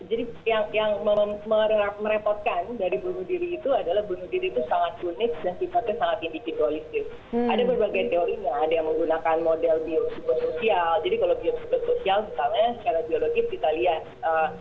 jadi yang merepotkan dari bunuh diri itu adalah